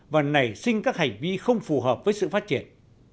và nảy sinh các hành vi không phù hợp với sự phát triển